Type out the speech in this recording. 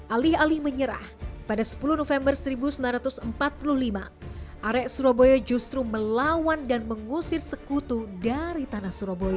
alih alih menyerah pada sepuluh november seribu sembilan ratus empat puluh lima arek surabaya justru melawan dan mengusir sekutu dari tanah surabaya